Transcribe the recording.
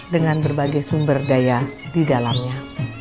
dengan berbagai sumber daya di dalamnya